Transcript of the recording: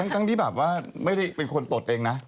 ที่แบบว่าไม่ได้เป็นคนปลดเองนะ